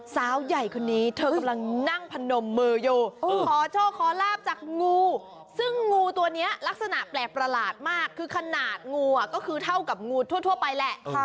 สาวใหญ่คนนี้เธอกำลังนั่งพนมมืออยู่ขอโชคขอลาบจากงูซึ่งงูตัวนี้ลักษณะแปลกประหลาดมากคือขนาดงูก็คือเท่ากับงูทั่วไปแหละ